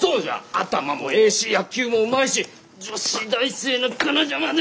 頭もええし野球もうまいし女子大生の彼女まで！